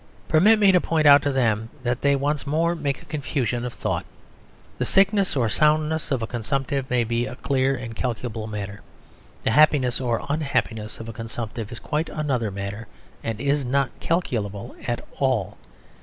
Permit me to point out to them that they once more make a confusion of thought. The sickness or soundness of a consumptive may be a clear and calculable matter. The happiness or unhappiness of a consumptive is quite another matter, and is not calculable at all.